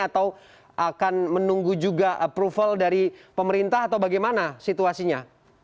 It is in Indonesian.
atau akan menunggu juga approval dari pemerintah atau bagaimana situasinya